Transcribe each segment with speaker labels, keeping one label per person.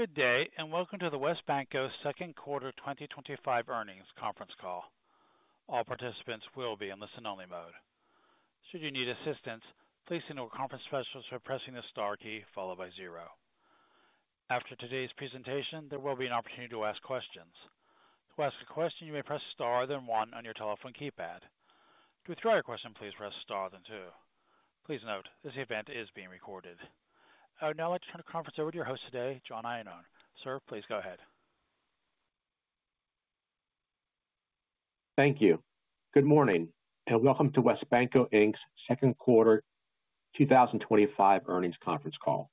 Speaker 1: Good day and welcome to the WesBanco Second Quarter twenty twenty five Earnings Conference Call. All participants will be in listen only mode. After today's presentation, there will be an opportunity to ask questions. Please note this event is being recorded. I would now like to turn the conference over to your host today, John Iannone. Sir, please go ahead.
Speaker 2: Thank you. Good morning and welcome to WesBanco Inc. Second quarter twenty twenty five earnings conference call.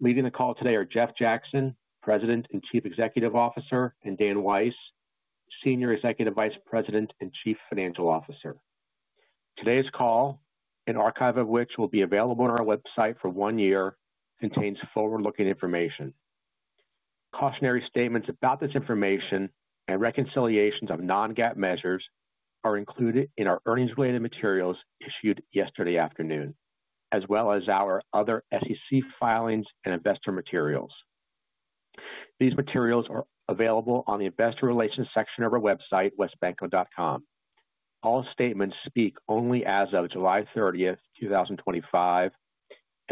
Speaker 2: Leading the call today are Jeff Jackson, President and Chief Executive Officer and Dan Weiss, Senior Executive Vice President and Chief Financial Officer. Today's call, an archive of which will be available on our website for one year, contains forward looking information. Cautionary statements about this information and reconciliations of non GAAP measures are included in our earnings related materials issued yesterday afternoon as well as our other SEC filings and investor materials. These materials are available on the Investor Relations section of our website, westbanco.com. All statements speak only as of 07/30/2025,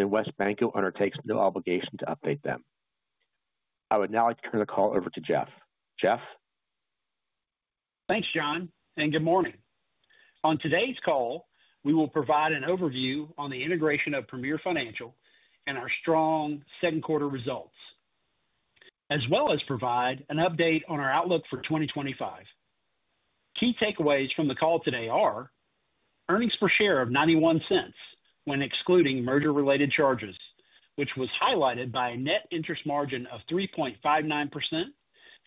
Speaker 2: and WesBanco undertakes no obligation to update them. I would now like to turn the call over to Jeff. Jeff?
Speaker 3: Thanks, John, and good morning. On today's call, we will provide an overview on the integration of Premier Financial and our strong second quarter results, as well as provide an update on our outlook for 2025. Key takeaways from the call today are earnings per share of $0.91 when excluding merger related charges, which was highlighted by net interest margin of 3.59%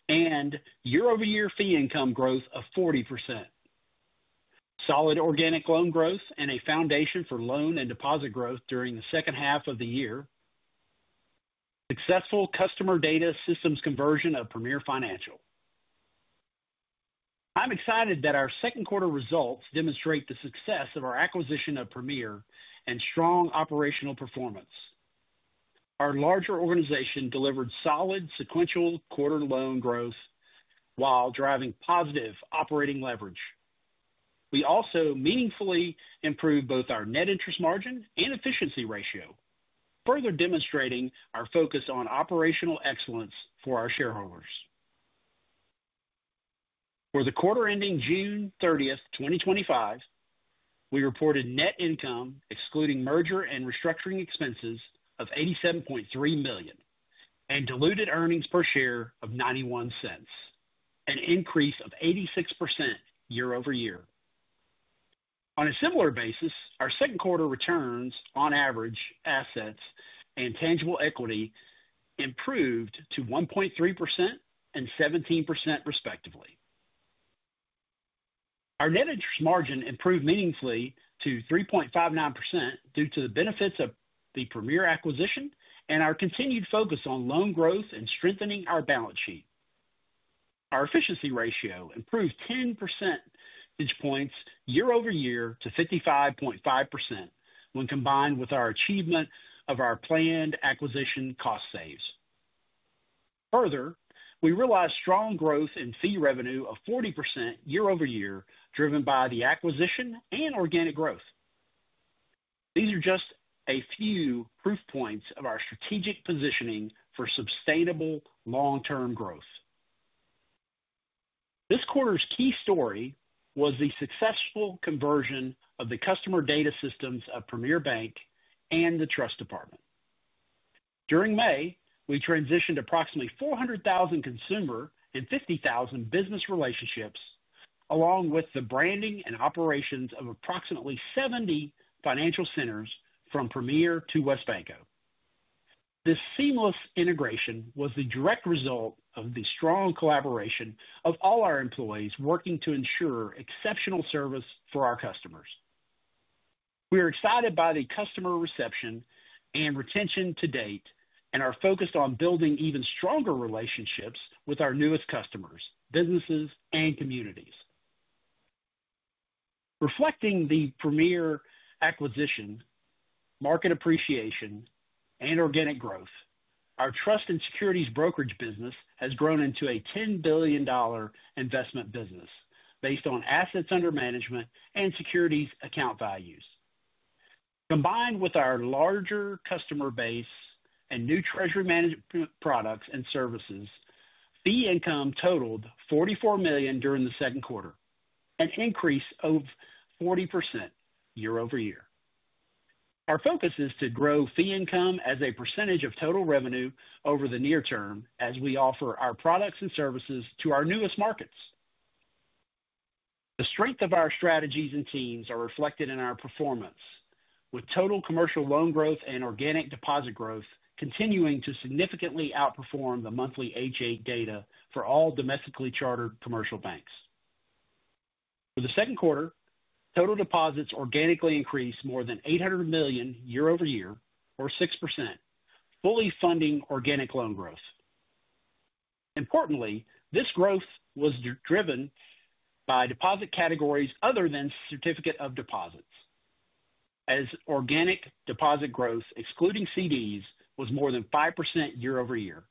Speaker 3: and year over year fee income growth of 40%. Solid organic loan growth and a foundation for loan and deposit growth during the second half of the year. Successful customer data systems conversion of Premier Financial. I'm excited that our second quarter results demonstrate the success of our acquisition of Premier and strong operational performance. Our larger organization delivered solid sequential quarter loan growth while driving positive operating leverage. We also meaningfully improved both our net interest margin and efficiency ratio further demonstrating our focus on operational excellence for our shareholders. For the quarter ending 06/30/2025, we reported net income excluding merger and restructuring expenses of $87,300,000 and diluted earnings per share of $0.91 an increase of 86% year over year. On a similar basis, our second quarter returns on average assets and tangible equity improved to 1.317% respectively. Our net interest margin improved meaningfully to 3.59% due to the benefits of the Premier acquisition and our continued focus on loan growth and strengthening our balance sheet. Our efficiency ratio improved 10 percentage points year over year to 55.5% when combined with our achievement of our planned acquisition cost saves. Further, we realized strong growth in fee revenue of 40% year over year driven by the acquisition and organic growth. These are just a few proof points of our strategic positioning for sustainable long term growth. This quarter's key story was the successful conversion of the customer data systems of Premier Bank and the trust department. During May, we transitioned approximately 400,000 consumer and 50,000 business relationships along with the branding and operations of approximately 70 financial centers from Premier to WesBanco. This seamless integration was the direct result of the strong collaboration of all our employees working to ensure exceptional service for our customers. We are excited by the customer reception and retention to date and are focused on building even stronger relationships with our newest customers, businesses and communities. Reflecting the Premier acquisition, market appreciation and organic growth, our trust and securities brokerage business has grown into a $10,000,000,000 investment business based on assets under management and securities account values. Combined with our larger customer base and new treasury management products and services, fee income totaled $44,000,000 during the second quarter, an increase of 40% year over year. Our focus is to grow fee income as a percentage of total revenue over the near term as we offer our products and services to our newest markets. The strength of our strategies and teams are reflected in our performance with total commercial loan growth and organic deposit growth continuing to significantly outperform the monthly H-eight data for all domestically chartered commercial banks. For the second quarter, total deposits organically increased more than $800,000,000 year over year or 6% fully funding organic loan growth. Importantly, this growth was driven by deposit categories other than certificate of deposits as organic deposit growth excluding CDs was more than 5% year over year.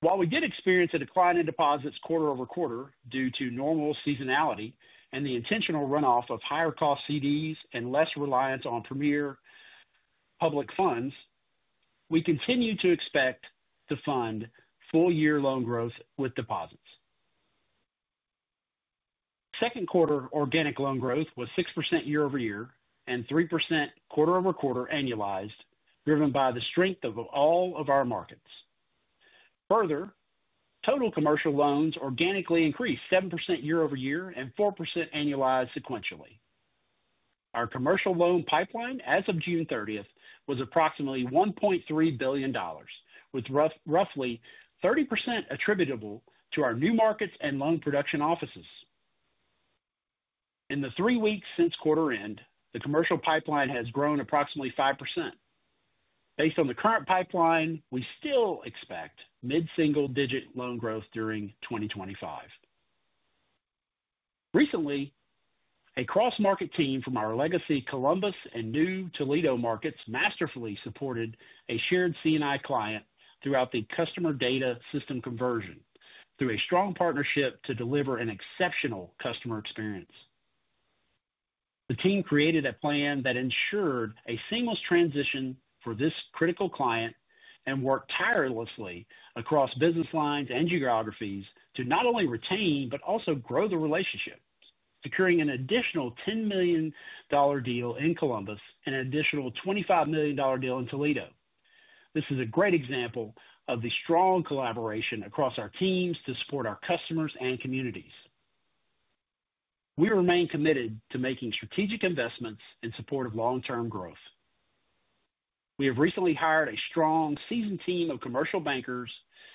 Speaker 3: While we did experience a decline in deposits quarter over quarter due to normal seasonality and the intentional runoff of higher cost CDs and less reliance on premier public funds, we continue to expect to fund full year loan growth with deposits. Second quarter organic loan growth was six percent year over year and 3% quarter over quarter annualized driven by the strength of all of our markets. Further, total commercial loans organically increased 7% year over year and 4% annualized sequentially. Our commercial loan pipeline as of June 30 was approximately $1,300,000,000 with roughly 30% attributable to our new markets and loan production offices. In the three weeks since quarter end, the commercial pipeline has grown approximately 5%. Based on the current pipeline, we still expect mid single digit loan growth during 2025. The Recently, a cross market team from our legacy Columbus and new Toledo markets masterfully supported a shared C and I client throughout the customer data system conversion through a strong partnership to deliver an exceptional customer experience. The team created a plan that ensured a seamless transition for this critical client and worked tirelessly across business lines and geographies to not only retain, but also grow the relationship, securing an additional $10,000,000 deal in Columbus and an additional $25,000,000 deal in Toledo. This is a great example of the strong collaboration across our teams to support our customers and communities. We remain committed to making strategic investments in support of long term growth. We have recently hired a strong seasoned team of commercial bankers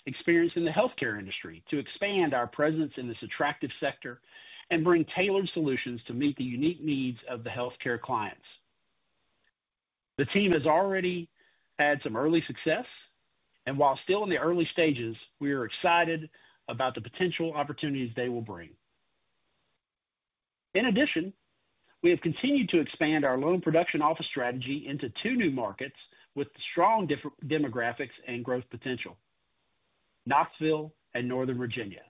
Speaker 3: experienced in the healthcare industry to expand our presence in this attractive sector and bring tailored solutions to meet the unique needs of the healthcare clients. The team has already had some early success and while still in the early stages, we are excited about the potential opportunities they will bring. In addition, we have continued to expand our loan production office strategy into markets with strong demographics and growth potential, Knoxville and Northern Virginia.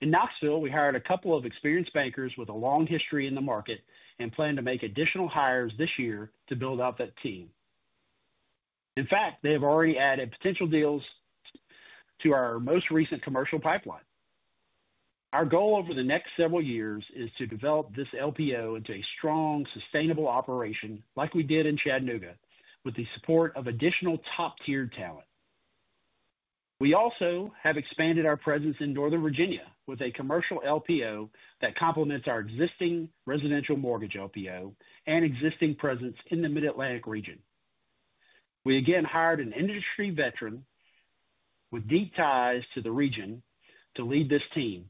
Speaker 3: In Knoxville, we hired a couple of experienced bankers with a long history in the market and plan to make additional hires this year to build out that team. In fact, they've already added potential deals to our most recent commercial pipeline. Our goal over the next several years is to develop this LPO into a strong sustainable operation like we did in Chattanooga with the support of additional top tier talent. We also have expanded our presence in Northern Virginia with a commercial LPO that complements our existing residential mortgage LPO and existing presence in the Mid Atlantic region. We again hired an industry veteran with deep ties to the region to lead this team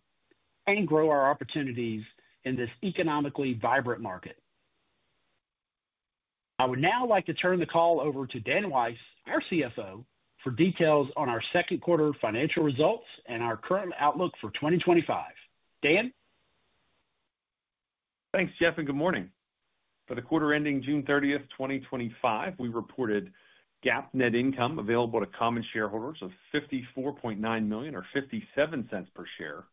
Speaker 3: and grow our opportunities in this economically vibrant market. I would now like to turn the call over to Dan Weiss, our CFO for details on our second quarter financial results and our current outlook for 2025. Dan?
Speaker 4: Thanks, Jeff, good morning. For the quarter ending 06/30/2025, we reported GAAP net income available to common shareholders of $54,900,000 or $0.57 per share.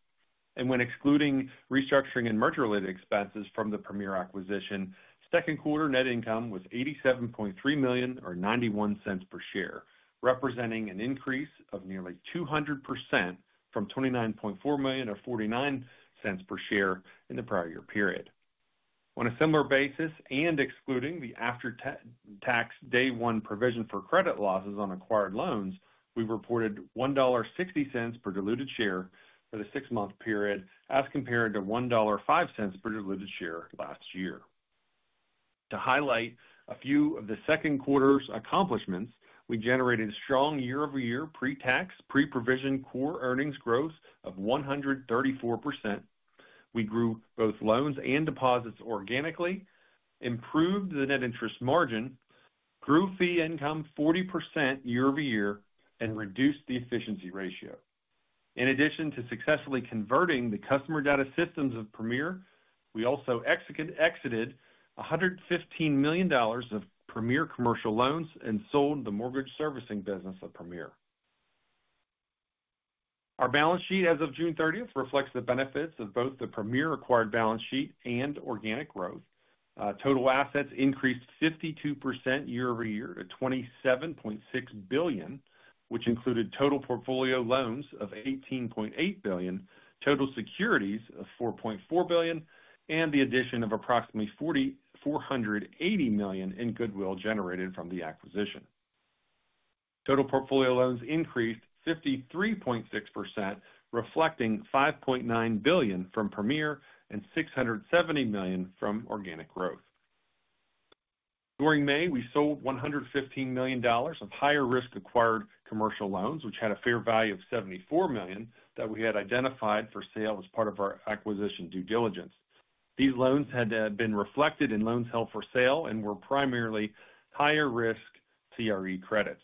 Speaker 4: And when excluding restructuring and merger related expenses from the Premier acquisition, second quarter net income was $87,300,000 or $0.91 per share, representing an increase of nearly 200% from $29,400,000 or $0.49 per share in the prior year period. On a similar basis and excluding the after tax day one provision for credit losses on acquired loans, we reported $1.6 per diluted share for the six month period as compared to $1.05 per diluted share last year. To highlight a few of the second quarter's accomplishments, we generated strong year over year pretax pre provision core earnings growth of 134%. We grew both loans and deposits organically, improved the net interest margin, grew fee income 40% year over year and reduced the efficiency ratio. In addition to successfully converting the customer data systems of Premier, we also exited $115,000,000 of Premier commercial loans and sold the mortgage servicing business of Premier. Our balance sheet as of June 30 reflects the benefits of both the Premier acquired balance sheet and organic growth. Total assets increased 52% year over year to 27,600,000,000.0 which included total portfolio loans of $18,800,000,000 total securities of $4,400,000,000 and the addition of approximately $480,000,000 in goodwill generated from the acquisition. Total portfolio loans increased 53.6% reflecting $5,900,000,000 from Premier and $670,000,000 from organic growth. During May, we sold $115,000,000 of higher risk acquired commercial loans, which had a fair value of $74,000,000 that we had identified for sale as part of our acquisition due diligence. These loans had been reflected in loans held for sale and were primarily higher risk CRE credits.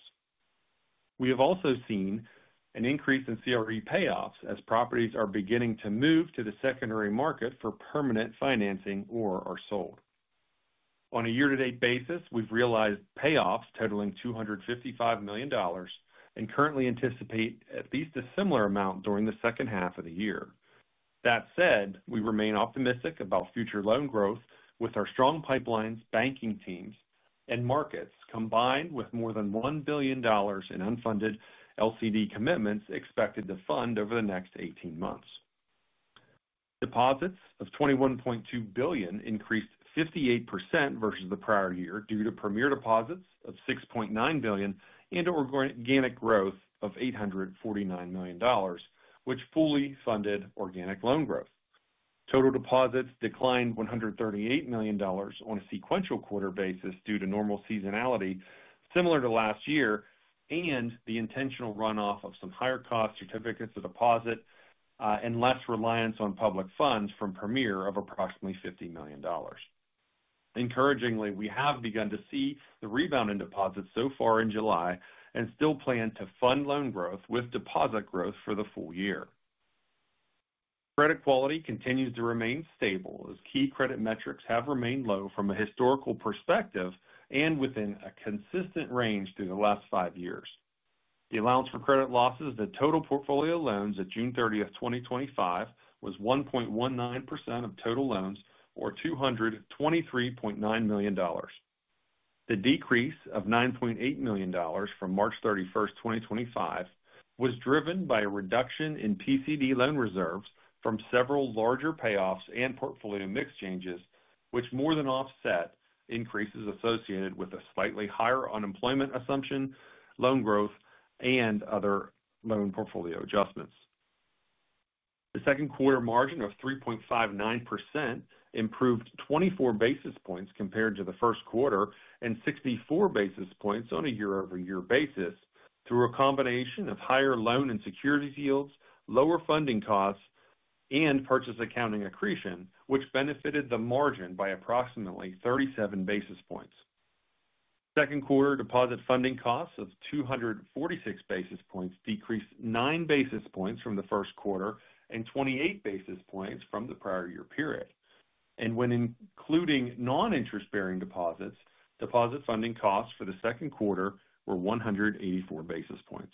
Speaker 4: We have also seen an increase in CRE payoffs as properties are beginning to move to the secondary market for permanent financing or are sold. On a year to date basis, we've realized payoffs totaling $255,000,000 and currently anticipate at least a similar amount during the second half of the year. That said, we remain optimistic about future loan growth with our strong pipelines, banking teams and markets combined with more than $1,000,000,000 in unfunded LCD commitments expected to fund over the next eighteen months. Deposits of $21,200,000,000 increased 58% versus the prior year due to premier deposits of $6,900,000,000 and organic growth of $849,000,000 which fully funded organic loan growth. Total deposits declined $138,000,000 on a sequential quarter basis due to normal seasonality similar to last year and the intentional runoff of some higher cost certificates of deposit and less reliance on public funds from Premier of approximately $50,000,000 Encouragingly, we have begun to see the rebound in deposits so far in July and still plan to fund loan growth with deposit growth for the full year. Credit quality continues to remain stable as key credit metrics have remained low from a historical perspective and within a consistent range through the last five years. The allowance for credit losses of the total portfolio loans at 06/30/2025 was 1.19% of total loans or $223,900,000 The decrease of $9,800,000 from 03/31/2025 was driven by a reduction in PCD loan reserves from several larger payoffs and portfolio mix changes, which more than offset increases associated with a slightly higher unemployment assumption, loan growth and other loan portfolio adjustments. The second quarter margin of 3.59% improved 24 basis points compared to the first quarter and 64 basis points on a year over year basis through a combination of higher loan and securities yields, lower funding costs and purchase accounting accretion, which benefited the margin by approximately 37 basis points. Second quarter deposit funding costs of two forty six basis points decreased nine basis points from the first quarter and 28 basis points from the prior year period. And when including non interest bearing deposits, deposit funding costs for the second quarter were 184 basis points.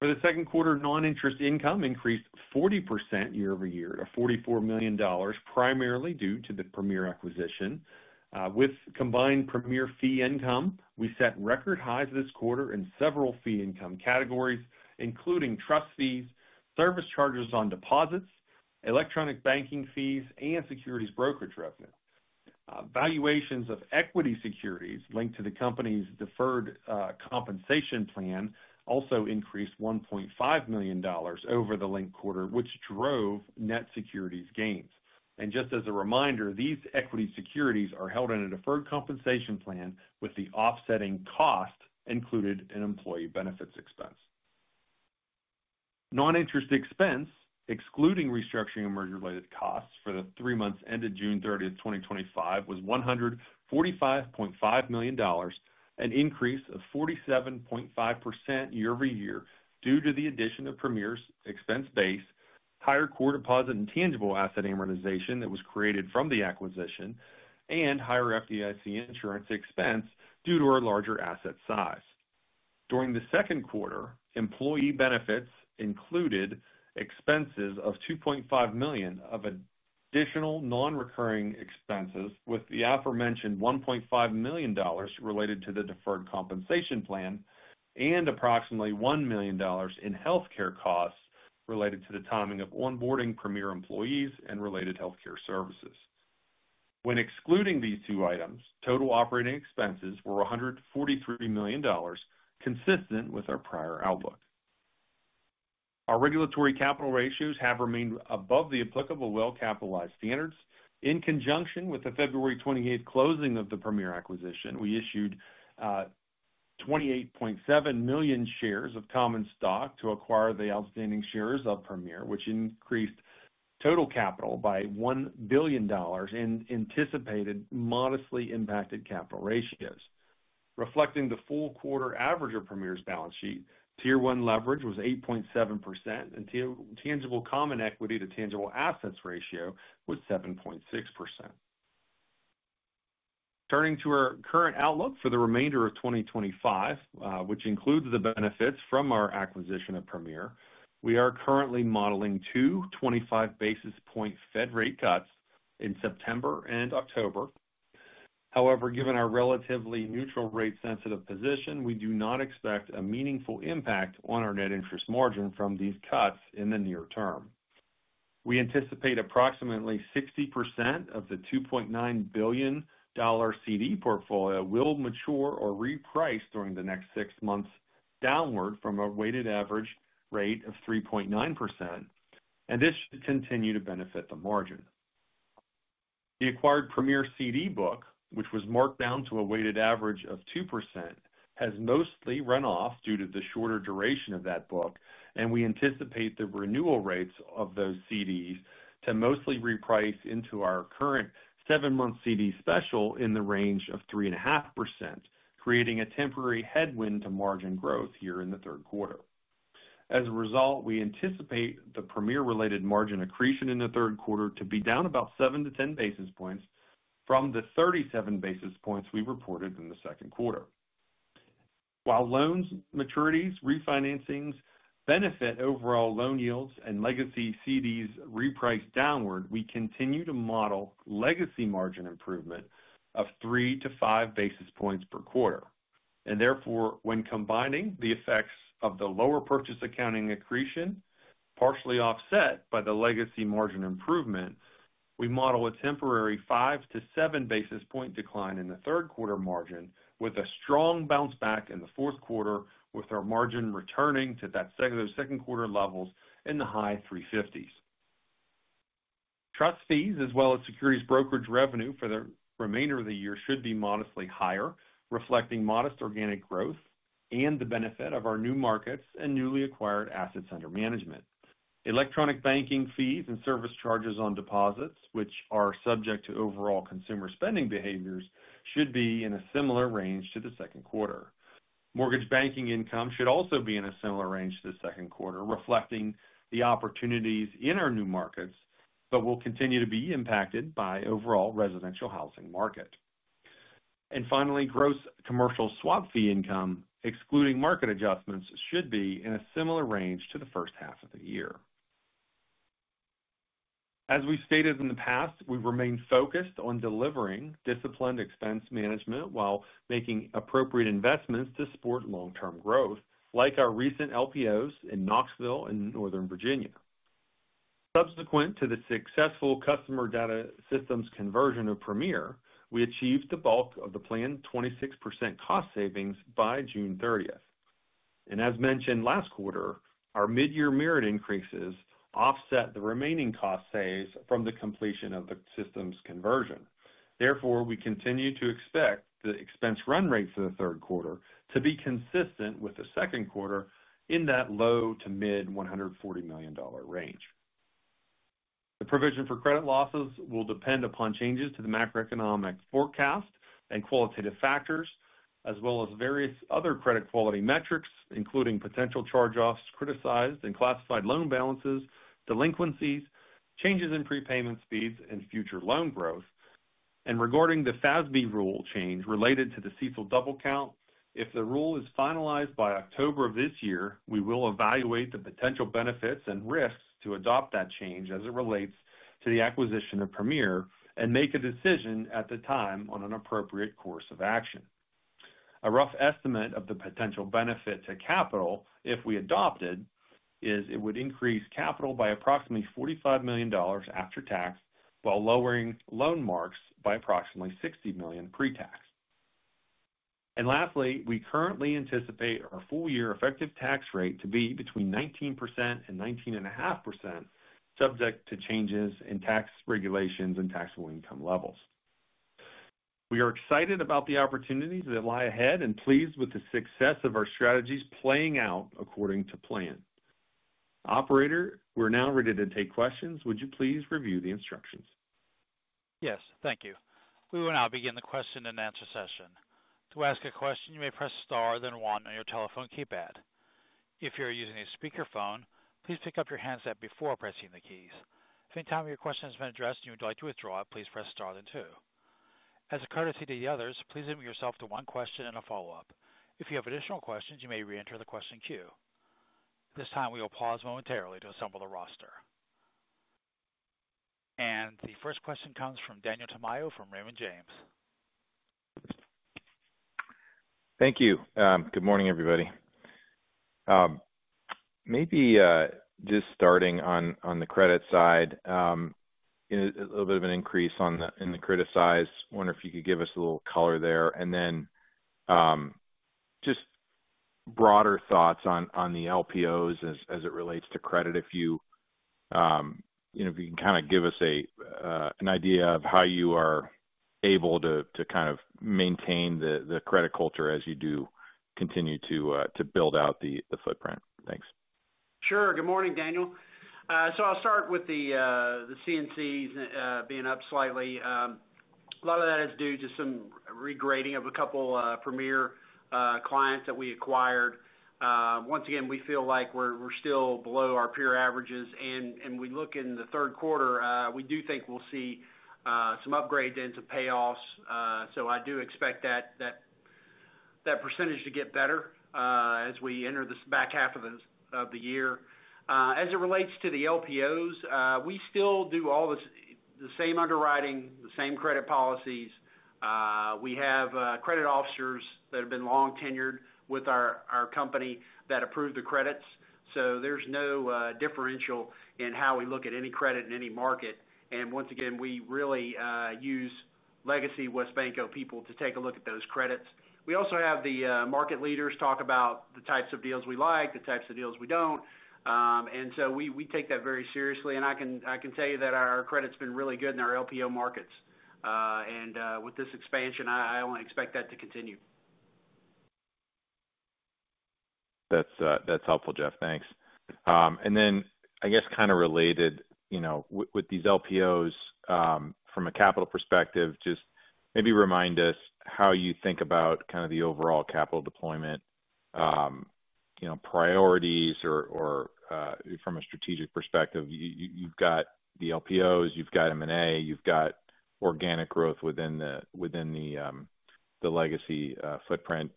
Speaker 4: For the second quarter, interest income increased 40% year over year to $44,000,000 primarily due to the Premier acquisition. With combined Premier fee income, we set record highs this quarter in several fee income categories including trust fees, service charges on deposits, electronic banking fees and securities brokerage revenue. Valuations of equity securities linked to the company's deferred compensation plan also increased $1,500,000 over the linked quarter, which drove net securities gains. And just as a reminder, these equity securities are held in a deferred compensation plan with the offsetting cost included in employee benefits expense. Non interest expense excluding restructuring and merger related costs for the three months ended 06/30/2025 was $145,500,000 an increase of 47.5% year over year due to the addition of Premier's expense base, higher core deposit intangible asset amortization that was created from the acquisition and higher FDIC insurance expense due to our larger asset size. During the second quarter, employee benefits included expenses of $2,500,000 of additional non recurring expenses with the aforementioned $1,500,000 related to the deferred compensation plan and approximately $1,000,000 in healthcare costs related to the timing of onboarding Premier employees and related healthcare services. When excluding these two items, total operating expenses were $143,000,000 consistent with our prior outlook. Our regulatory capital ratios have remained above the applicable well capitalized standards. In conjunction with the February 28 closing of the Premier acquisition, we issued 28,700,000.0 shares of common stock to acquire the outstanding shares of Premier, which increased total capital by $1,000,000,000 and anticipated modestly impacted capital ratios. Reflecting the full quarter average of Premier's balance sheet, Tier one leverage was 8.7% and tangible common equity to tangible assets ratio was 7.6%. Turning to our current outlook for the remainder of 2025, which includes the benefits from our acquisition of Premier, we are currently modeling two twenty five basis point Fed rate cuts in September and October. However, given our relatively neutral rate sensitive position, we do not expect a meaningful impact on our net interest margin from these cuts in the near term. We anticipate approximately 60% of the $2,900,000,000 CD portfolio will mature or reprice during the next six months downward from a weighted average rate of 3.9% and this should continue to benefit the margin. The acquired Premier CD book, which was marked down to a weighted average of 2% has mostly run off due to the shorter duration of that book and we anticipate the renewal rates of those CDs to mostly reprice into our current seven month CD special in the range of 3.5% creating a temporary headwind to margin growth here in the third quarter. As a result, we anticipate the Premier related margin accretion in the third quarter to be down about seven to 10 basis points from the 37 basis points we reported in the second quarter. While loans, maturities, refinancings benefit overall loan yields and legacy CDs reprice downward, we continue to model legacy margin improvement of three to five basis points per quarter. And therefore, when combining the effects of the lower purchase accounting accretion, partially offset by the legacy margin improvement, we model a temporary five to seven basis point decline in the third quarter margin with a strong bounce back in the fourth quarter with our margin returning to that second quarter levels in the high 350s. Trust fees as well as securities brokerage revenue for the remainder of the year should be modestly higher reflecting modest organic growth and the benefit of our new markets and newly acquired assets under management. Electronic banking fees and service charges on deposits, are subject to overall consumer spending behaviors should be in a similar range to the second quarter. Mortgage banking income should also be in a similar range to the second quarter reflecting the opportunities in our new markets, but will continue to be impacted by overall residential housing market. And finally, commercial swap fee income excluding market adjustments should be in a similar range to the first half of the year. As we stated in the past, we remain focused on delivering disciplined expense management while making appropriate investments to support long term growth like our recent LPOs in Knoxville and Northern Virginia. Subsequent to the successful customer data systems conversion of Premier, we achieved the bulk of the planned 26 cost savings by June 30. And as mentioned last quarter, our mid year merit increases offset the remaining cost saves from the completion of the systems conversion. Therefore, we continue to expect the expense run rate for the third quarter to be consistent with the second quarter in that low to mid $140,000,000 range. The provision for credit losses will depend upon changes to the macroeconomic forecast and qualitative factors as well as various other credit quality metrics including potential charge offs criticized and classified loan balances, delinquencies, changes in prepayment speeds and future loan growth. And regarding the FASB rule change related to the CECL double count, if the rule is finalized by October, we will evaluate the potential benefits and risks to adopt that change as it relates to the acquisition of Premier and make a decision at the time on an appropriate course of action. A rough estimate of the potential benefit to capital if we adopted is it would increase capital by approximately $45,000,000 after tax while lowering loan marks by approximately $60,000,000 pretax. And lastly, we currently anticipate our full year effective tax rate to be between 1919.5% subject to changes in tax regulations and taxable income levels. We are excited about the opportunities that lie ahead and pleased with the success of our strategies playing out according to plan. Operator, we're now ready to take questions. Would you please review the instructions?
Speaker 1: Yes. Thank you. We will now begin the question and answer session. If you have additional questions, you may reenter the question queue. And session. The first question comes from Daniel Tamayo from Raymond James.
Speaker 5: Thank you. Good morning, everybody. Maybe just starting on the credit side, a little bit of an increase in the criticized. Wonder if you could give us a little color there. And then just broader thoughts on the LPOs as it relates to credit. You can kind of give us an idea of how you are able to kind of maintain the credit culture as you do continue to build out the footprint? Thanks.
Speaker 3: Sure. Good morning, Daniel. So I'll start with the CNCs being up slightly. A lot of that is due to some regrading of a couple premier clients that we acquired. Once again, we feel like we're still below our peer averages. And we look in the third quarter, we do think we'll see some upgrades into payoffs. So I do expect that percentage to get better as we enter this back half of the year. As it relates to the LPOs, we still do all the same underwriting, the same credit policies. We have credit officers that have been long tenured with our company that approve the credits. So there's no differential in how we look at any credit in any market. And once again, we really use legacy WesBanco people to take a look at those credits. We also have the market leaders talk about the types of deals we like, the types of deals we don't. And so we take that very seriously. And I can tell you that our credit has been really good in our LPO markets. And with this expansion, I only expect that to continue.
Speaker 5: That's helpful, Jeff. Thanks. And then I guess kind of related with these LPOs from a capital perspective, just maybe remind us how you think about kind of the overall capital deployment priorities or from a strategic perspective, you've got the LPOs, you've got M and A, you've got organic growth within the legacy footprint.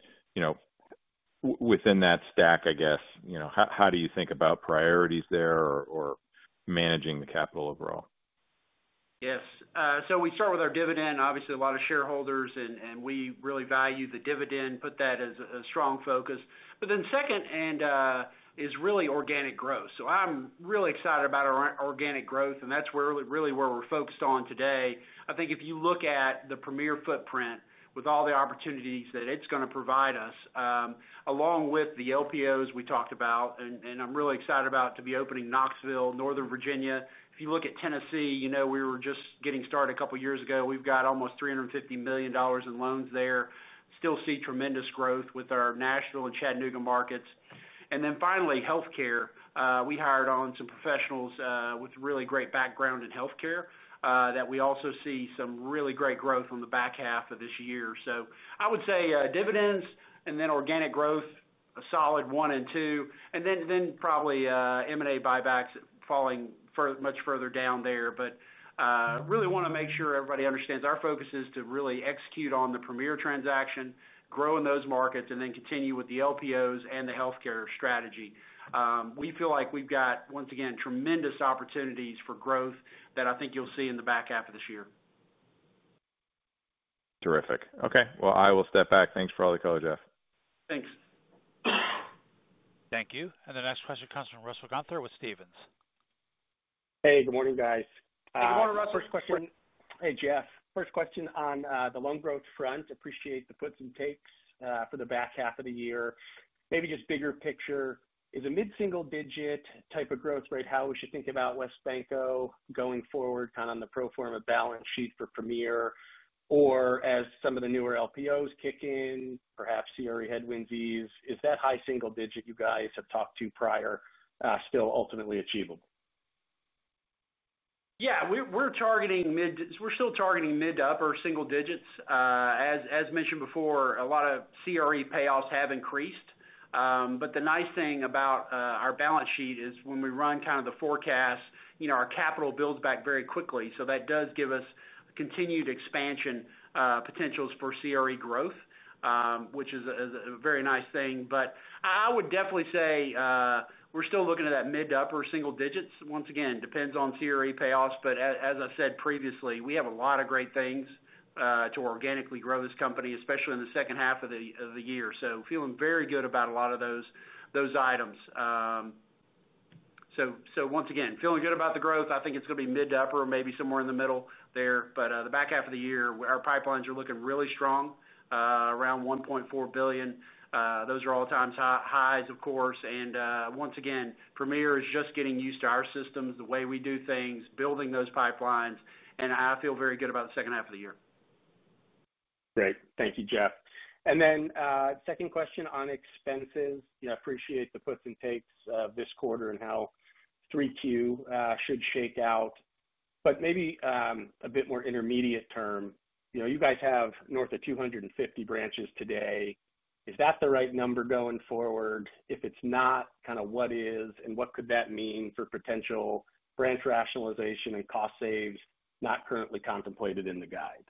Speaker 5: Within that stack, I guess, how do you think about priorities there or managing the capital overall?
Speaker 3: Yes. So we start with our dividend. Obviously, a lot of shareholders and we really value the dividend, put that as a strong focus. But then second is really organic growth. So I'm really excited about our organic growth and that's really where we're focused on today. I think if you look at the Premier footprint with all the opportunities that it's going to provide us along with the LPOs we talked about and I'm really excited about to be opening Knoxville, Northern Virginia. If you look at Tennessee, we were just getting started a couple of years ago. We've got almost $350,000,000 in loans there. Still see tremendous growth with our Nashville and Chattanooga markets. And then finally, healthcare, we hired on some professionals with really great background in healthcare that we also see some really great growth on the back half of this year. So I would say dividends and then organic growth a solid one and two and then probably M and A buybacks falling much further down there. But really want to make sure everybody understands our focus is to really execute on the Premier transaction, grow in those markets and then continue with the LPOs and the healthcare strategy. We feel like we've got once again tremendous opportunities for growth that I think you'll see in the back half of this year.
Speaker 5: Terrific. Okay. Well, I will step back. Thanks for all the color, Jeff.
Speaker 1: Thanks. Thank you. And the next question comes from Russell Gunther with Stephens.
Speaker 6: Hey, good morning, guys. Good morning, Russell. Hey, Jeff. First question on the loan growth front, appreciate the puts and takes for the back half of the year. Maybe just bigger picture, is a mid single digit type of growth rate how we should think about WesBanco going forward kind of on the pro form a balance sheet for Premier? Or as some of the newer LPOs kick in, perhaps CRE headwinds ease, is that high single digit you guys have talked to prior still ultimately achievable?
Speaker 3: Yes. We're targeting mid we're still targeting mid to upper single digits. As mentioned before, a lot of CRE payoffs have increased. But the nice thing about our balance sheet is when we run kind of the forecast, our capital builds back very quickly. So that does give us continued expansion potentials for CRE growth, which is a very nice thing. But I would definitely say, we're still looking at that mid to upper single digits. Once again, depends on CRE payoffs. But as I said previously, we have a lot of great things to organically grow this company, especially in the second half of the year. So feeling very good about a lot of those items. So once again, feeling good about the growth. I think it's going be mid to upper or maybe somewhere in the middle there. But the back half of the year, our pipelines are looking really strong, around $1,400,000,000 Those are all the time highs of course. And once again, Premier is just getting used to our systems, way we do things, building those pipelines, and I feel very good about the second half of the year.
Speaker 6: Great. Thank you, Jeff. And then second question on expenses. I appreciate the puts and takes this quarter and how 3Q should shake out. But maybe, a bit more intermediate term, you guys have north of two fifty branches today. Is that the right number going forward? If it's not, what is and what could that mean for potential branch rationalization and cost saves not currently contemplated in the guide?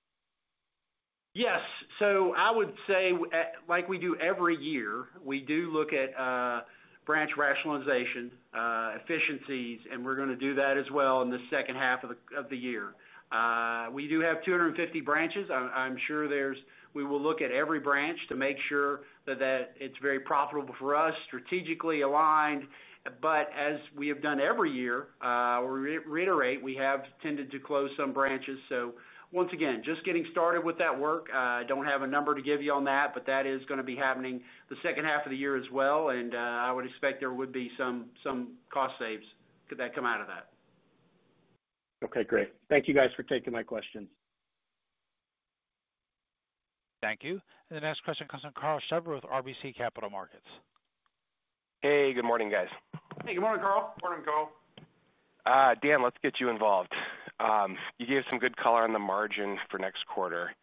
Speaker 3: Yes. So I would say, like we do every year, we do look at branch rationalization efficiencies and we're going to do that as well in the second half of the year. We do have two fifty branches. I'm sure there's we will look at every branch to make sure that it's very profitable for us strategically aligned. But as we have done every year, reiterate, we have tended to close some branches. So once again, just getting started with that work. I don't have a number to give you on that, but that is going to be happening the second half of the year as well. And I would expect there would be some cost saves that come out of that.
Speaker 6: Okay, great. Thank you guys for taking my questions.
Speaker 1: Thank you. And the next question comes from Karl Schuber with RBC Capital Markets.
Speaker 7: Hey, good morning guys.
Speaker 4: Hey, good morning Karl. Good morning Karl.
Speaker 7: Dan, let's get you involved. You gave some good color on the margin for next quarter.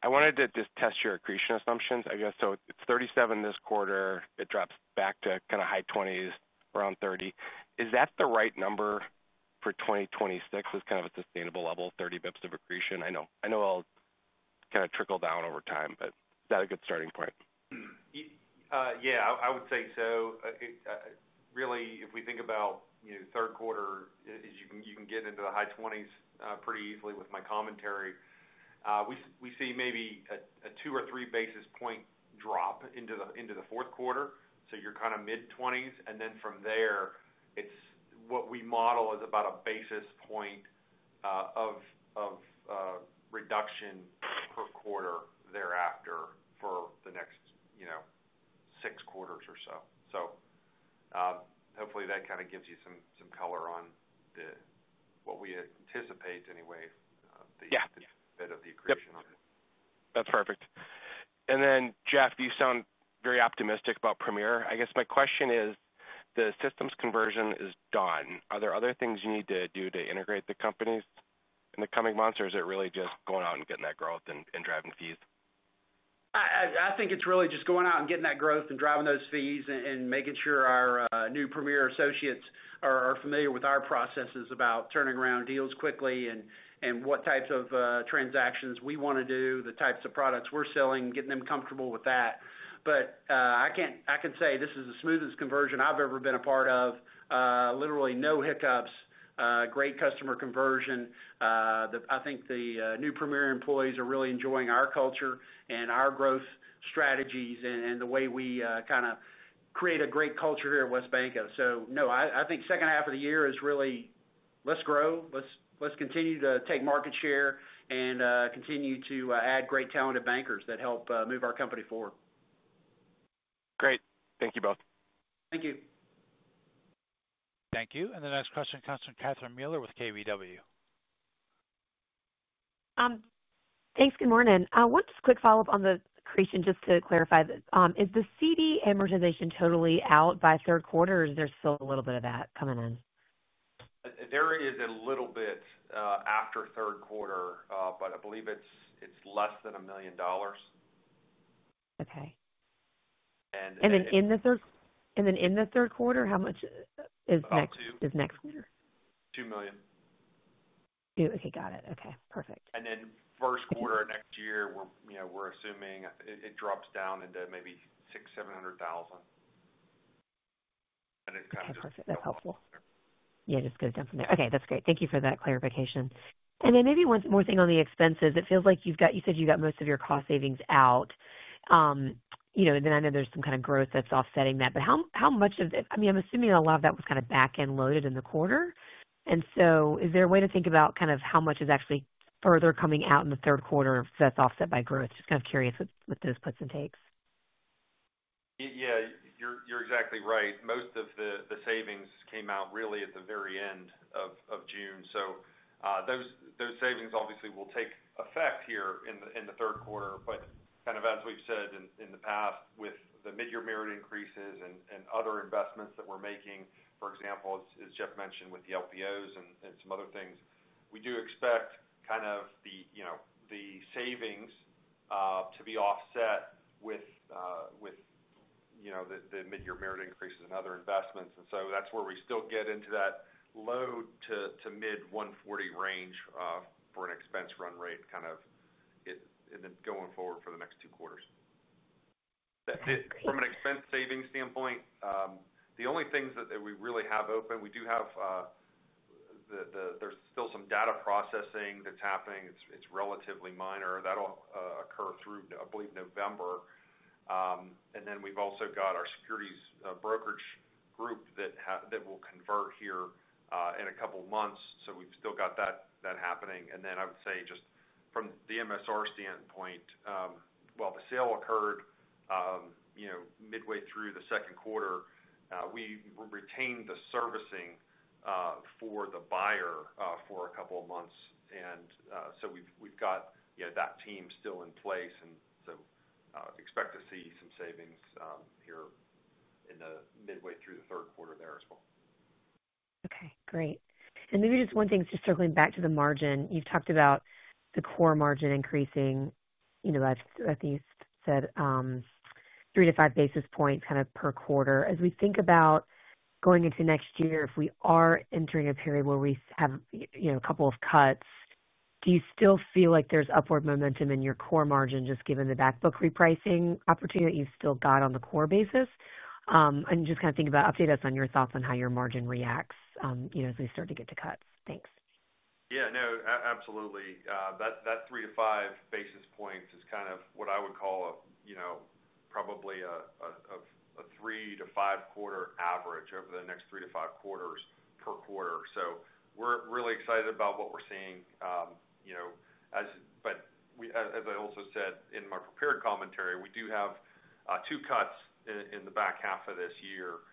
Speaker 7: I wanted to just test your accretion assumptions, I guess. So it's 37 this quarter, it drops back to kind of high 20s around 30. Is that the right number for 2026 is kind of a sustainable level 30 bps of accretion? I know it'll kind of trickle down over time, but that a good starting point.
Speaker 4: Yes, I would say so. Really if we think about third quarter, as you can get into the high 20s pretty easily with my commentary, we see maybe a two or three basis point drop into the fourth quarter. So you're kind of mid-20s. And then from there, it's what we model is about a basis point of reduction per quarter thereafter for the next six quarters or so. So hopefully that kind of gives you some color on what we anticipate anyway, bit of the
Speaker 7: accretion That's on perfect. And then Jeff, you sound very optimistic about Premier. I guess my question is the systems conversion is done. Are there other things you need to do to integrate the companies in the coming months? Is it really just going out and getting that growth and driving fees?
Speaker 3: I think it's really just going out and getting that growth and driving those fees and making sure our new Premier associates are familiar with our processes about turning around deals quickly and what types of transactions we want to do, the types of products we're selling, getting them comfortable with that. But I can say this is the smoothest conversion I've ever been a part of, literally no hiccups, great customer conversion. I think the new Premier employees are really enjoying our culture and our growth strategies and the way we kind of create a great culture here at WesBanco. So no, I think second half of the year is really let's grow, let's continue to take market share and continue to add great talented bankers that help move our company forward.
Speaker 7: Great. Thank you both.
Speaker 3: Thank you.
Speaker 1: Thank you. And the next question comes from Catherine Mealor with KBW.
Speaker 8: Thanks. Good morning. One quick follow-up on the accretion just to clarify. Is the CD amortization totally out by third quarter or is there still a little bit of that coming in?
Speaker 4: There is a little bit after third quarter, but I believe it's less than $1,000,000
Speaker 8: Okay. Then in the third quarter, how much is next quarter?
Speaker 4: Million dollars
Speaker 8: Okay, got it. Okay, perfect.
Speaker 4: And then first quarter of next year, we're assuming it drops down into maybe 600,700 thousand
Speaker 8: Okay, perfect. That's helpful. Yes, it just goes down from there. Okay, that's great. Thank you for that clarification. And then maybe one more thing on the expenses. It feels like you've got you said you got most of your cost savings out. And then I know there's some kind of growth that's offsetting that. But how much of it I mean, I'm assuming a lot of that was kind of back end loaded in the quarter. And so is there a way to think about kind of how much is actually further coming out in the third quarter if that's offset by growth? Just kind curious with those puts and takes.
Speaker 4: Yes. You're exactly right. Most of the savings came out really at the very June. So those savings obviously will take effect here in the third quarter. But kind of as we've said in the past with the midyear merit increases and other investments that we're making, for example, as Jeff mentioned with the LPOs and some other things, we do expect kind of the savings to be offset with midyear merit increases and other investments. And so that's where we still get into that low to mid-one 140 range for an expense run rate kind of going forward for the next two quarters. From an expense savings standpoint, the only things that we really have open, we do have there's still some data processing that's happening. It's relatively minor that will occur through I believe November. And then we've also got our securities brokerage group that will convert here in a couple of months. So we've still got that happening. And then I would say just from the MSR standpoint, while the sale occurred midway through the second quarter, we retained the servicing for the buyer for a couple of months. And so we've got that team still in place. And so expect to see some savings here in the midway through the third quarter there as well.
Speaker 8: Okay, great. And maybe just one thing, just circling back to the margin, you've talked about the core margin increasing, at least, you said three to five basis points kind of per quarter. As we think about going into next year, if we are entering a period where we have a couple of cuts, do you still feel like there's upward momentum in your core margin just given the back book repricing opportunity that you've still got on the core basis? I'm just kind thinking about update us on your thoughts on how your margin reacts as we start to get to cuts? Thanks.
Speaker 4: Yes. No, absolutely. That three to five basis points is kind of what I would call probably a three to five quarter average over the next three to five quarters per quarter. So we're really excited about what we're seeing. But as I also said in my prepared commentary, we do have two cuts in the back half of this year.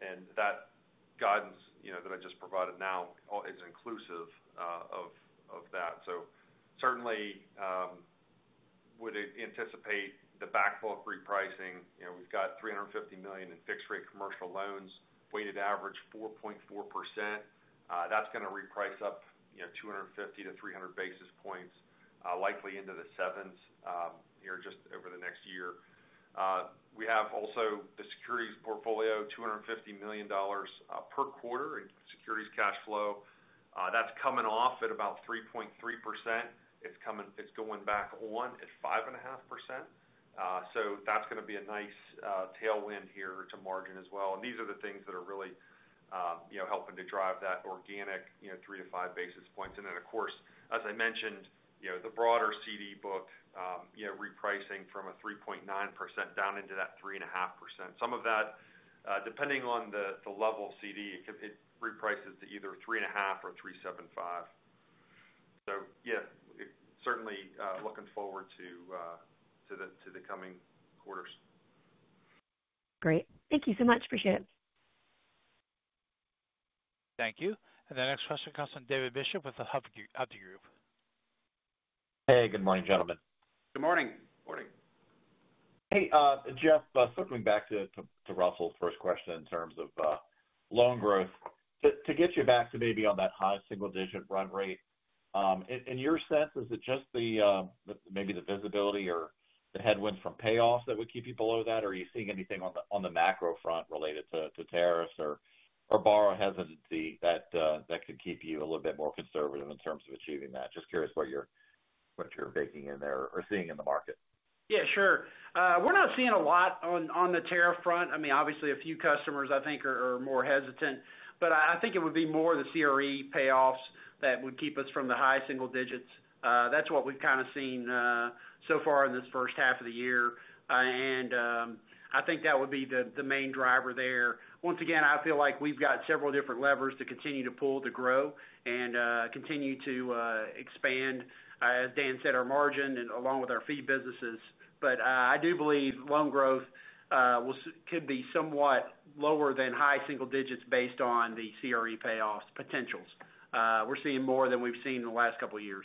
Speaker 4: And that guidance that I just provided now is inclusive of that. So certainly would anticipate the back bulk repricing. We've got $350,000,000 in fixed rate commercial loans, weighted average 4.4%. That's going to reprice up $2.50 to 300 basis points likely into the 7s here just over the next year. We have also the securities portfolio $250,000,000 per quarter in securities cash flow. That's coming off at about 3.3%. It's coming it's going back on at 5.5%. So that's going to be a nice tailwind here to margin as well. And these are the things that are really helping to drive organic three to five basis points. And then of course, as I mentioned, the broader CD book repricing from a 3.9% down into that 3.5. Some of that depending on the level of CD, it repriced to either 3.5 or 3.75. So yes, certainly looking forward to the coming quarters.
Speaker 8: Great. Thank you so much. Appreciate it.
Speaker 1: Thank you. And the next question comes from David Bishop with the Huffington Group.
Speaker 9: Hey, good morning gentlemen.
Speaker 4: Good morning. Good morning.
Speaker 9: Hey, Jeff, circling back to Russell's first question in terms of loan growth. To get you back to maybe on that high single digit run rate, in your sense, is it just the maybe the visibility or the headwind from payoffs that would keep you below that? Or are you seeing anything on macro front related to tariffs or borrower hesitancy that could keep you a little bit more conservative in terms of achieving that? Just curious what you're baking in there or seeing in the market?
Speaker 3: Yes, sure. We're not seeing a lot on the tariff front. I mean, obviously, few customers, I think, are more hesitant. But I think it would be more of the CRE payoffs that would keep us from the high single digits. That's what we've kind of seen so far in this first half of the year. And I think that would be the main driver there. Once again, I feel like we've got several different levers to continue to pull to grow and continue to expand. As Dan said, our margin and along with our fee businesses. But I do believe loan growth could be somewhat lower than high single digits based on the CRE payoffs potentials. We're seeing more than we've seen in the last couple of years.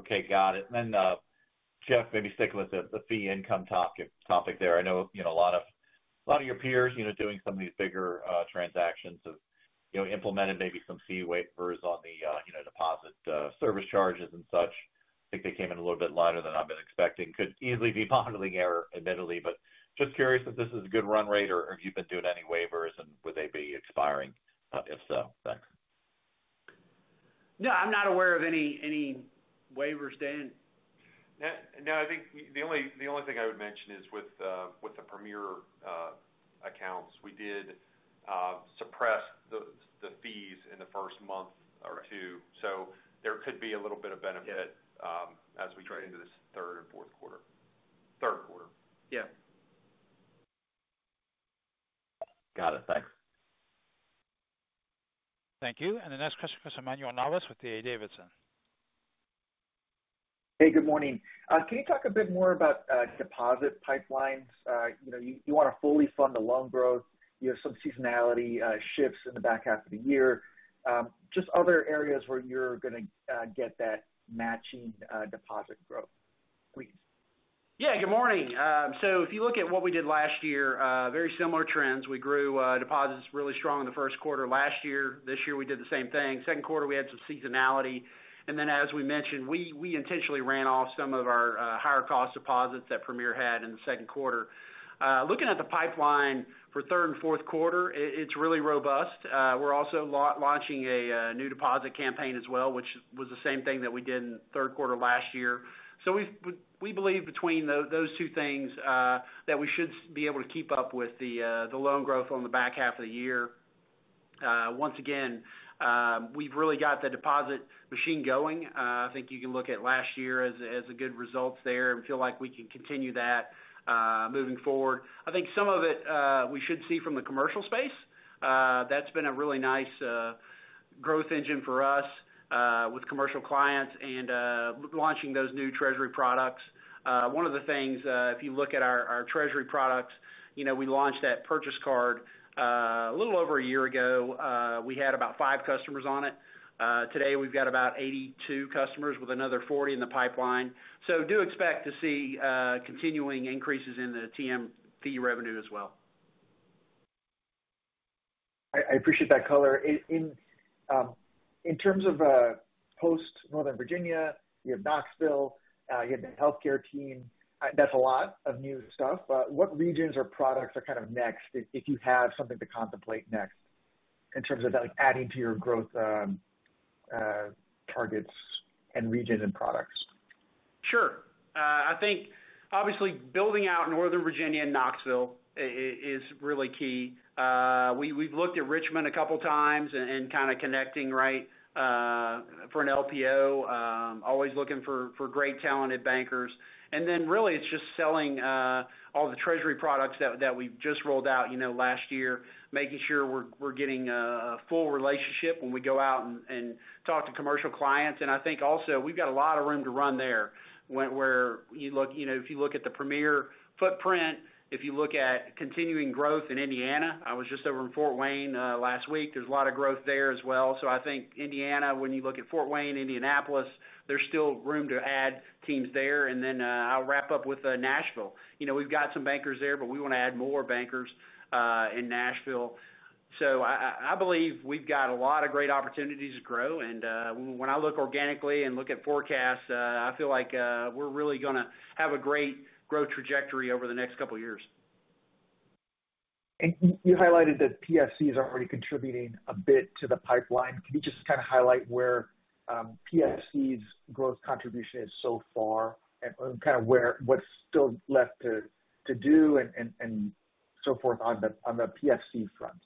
Speaker 9: Okay. Got it. And then Jeff, maybe sticking with the fee income topic there. I know a lot of your peers doing some of these bigger transactions have implemented maybe some fee waivers on the deposit service charges and such. I think they came in a little bit lighter than I've been expecting. Could easily be modeling error admittedly, but just curious if this is a good run rate or have you been doing any waivers and would they be expiring, if so? Thanks.
Speaker 3: No, I'm not aware of any waivers, Dan.
Speaker 4: No, I think the only thing I would mention is with the Premier accounts, we did suppress the fees in the first month or So there could be a little bit of benefit as we trade into this third and fourth quarter third quarter. Yes.
Speaker 9: Got it. Thanks.
Speaker 1: Thank you. And the next question comes from Emmanuel Navis with D. A. Davidson.
Speaker 10: Hey, good morning. Can you talk a bit more about deposit pipelines? You want to fully fund the loan growth, some seasonality shifts in the back half of the year. Just other areas where you're going to get that matching deposit growth, please?
Speaker 3: Yes. Good morning. So if you look at what we did last year, very similar trends. We grew deposits really strong in the first quarter last year. This year we did the same thing. Second quarter we had some seasonality. And then as we mentioned, we intentionally ran off some of our higher cost deposits that Premier had in the second quarter. Looking at the pipeline for third and fourth quarter, it's really robust. We're also launching a new deposit campaign as well, which was the same thing that we did in third quarter last year. So we believe between those two things that we should be able to keep up with the loan growth on the back half of the year. Once again, we've really got the deposit machine going. I think you can look at last year as a good results there and feel like we can continue that moving forward. I think some of it we should see from the commercial space. That's been a really nice growth engine for us with commercial clients and launching those new treasury products. One of the things, if you look at our treasury products, we launched that purchase card a little over a year ago. We had about five customers on it. Today, we've got about 82 customers with another 40 in the pipeline. So do expect to see continuing increases in the TMT revenue as well.
Speaker 10: I appreciate that color. In terms of post Northern Virginia, you have Knoxville, you have the healthcare team, that's a lot of new stuff. What regions or products are kind of next if you have something to contemplate next in terms of adding to your growth targets and regions and products?
Speaker 3: Sure. I think obviously building out Northern Virginia and Knoxville is really key. We've looked at Richmond a couple of times and kind of connecting right for an LPO, always looking for great talented bankers. And then really it's just selling all the treasury products that we've just rolled out last year, making sure we're getting a full relationship when we go out and talk to commercial clients. And I think also we've got a lot of room to run there, where you look if you look at the premier footprint, if you look at continuing growth in Indiana, I was just over in Fort Wayne last week, there's a lot of growth there as well. So I think Indiana, when you look at Fort Wayne, Indianapolis, there's still room to add teams there. And then I'll wrap up with Nashville. We've got some bankers there, but we want to add more bankers in Nashville. So I believe we've got a lot of great opportunities to grow. And when I look organically and look at forecasts, I feel like we're really going to have a great growth trajectory over the next couple of years.
Speaker 10: And you highlighted that PSC is already contributing a bit to the pipeline. Can you just kind of highlight where PSC's growth contribution is so far and kind of where what's still left to do and so forth on the PSC front?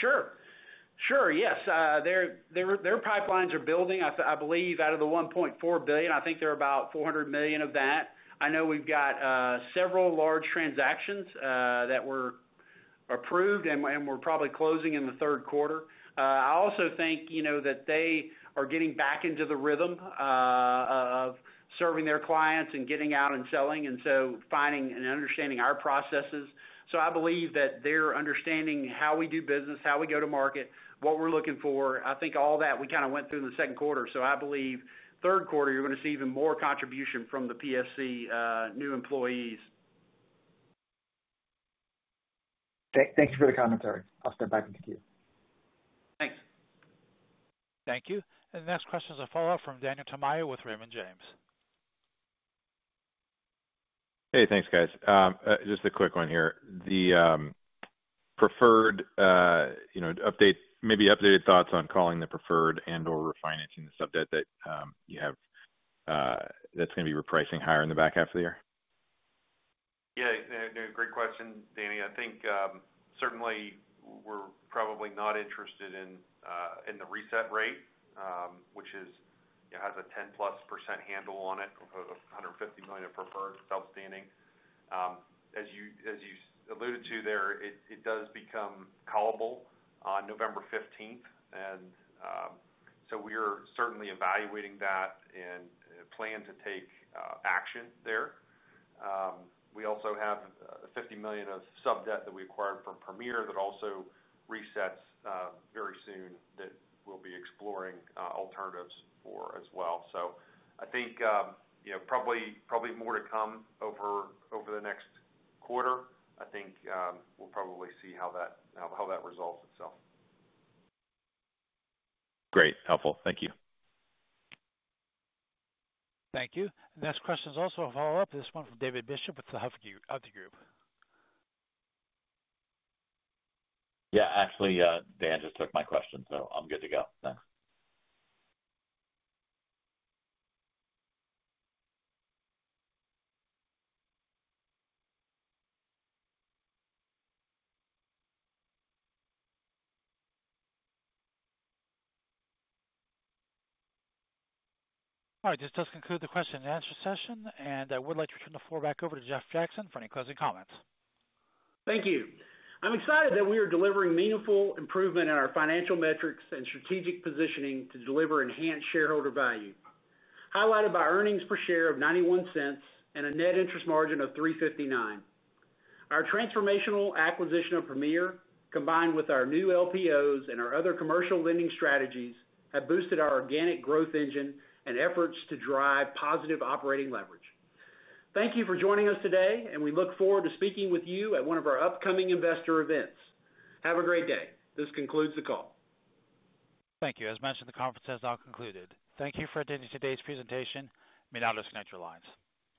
Speaker 3: Sure. Yes. Their pipelines are building, I believe out of the $1,400,000,000 I think they're about $400,000,000 of that. I know we've got several large transactions that were approved and we're probably closing in the third quarter. I also think that they are getting back into the rhythm serving their clients and getting out and selling and so finding and understanding our processes. So I believe that they're understanding how we do business, how we go to market, what we're looking for. I think all that we kind of went through in the second quarter. So I believe third quarter you're going to see even more contribution from the PSC new employees.
Speaker 10: Okay. Thanks for the commentary. I'll step back in the queue.
Speaker 4: Thanks.
Speaker 1: Thank you. And the next question is a follow-up from Daniel Tamayo with Raymond James.
Speaker 5: Hey, thanks guys. Just a quick one here. The preferred update maybe updated thoughts on calling the preferred and or refinancing the sub debt that have that's going be repricing higher in the back half of the year?
Speaker 4: Yes. Great question, Danny. I think certainly we're probably not interested in the reset rate, which is has a 10 plus percent handle on it, $150,000,000 of preferred outstanding. As alluded to there, it does become callable on November 15. And so we are certainly evaluating that and plan to take action there. We also have $50,000,000 of sub debt that we acquired from Premier that also resets very soon that we'll be exploring alternatives for as well. So I think probably more to come over the next quarter. I think we'll probably see how that resolves itself.
Speaker 5: Great. Helpful. Thank you.
Speaker 1: Thank you. Next question is also a follow-up. This one from David Bishop with The Huffington Group.
Speaker 9: Yes. Actually, Dan just took my question. So I'm good to go.
Speaker 1: All right. This does conclude the question and answer session. And I would like to turn the floor back over to Jeff Jackson for any closing comments.
Speaker 3: Thank you. I'm excited that we are delivering meaningful improvement in our financial metrics and strategic positioning to deliver enhanced shareholder value, highlighted by earnings per share of $0.91 and a net interest margin of $3.59 Our transformational acquisition of Premier combined with our new LPOs and our other commercial lending strategies have boosted our organic growth engine and efforts to drive positive operating leverage. Thank you for joining us today and we look forward to speaking with you at one of our upcoming investor events. Have a great day. This concludes the call.
Speaker 1: As mentioned, the conference has now concluded. Thank you for attending today's presentation. You may now disconnect your lines.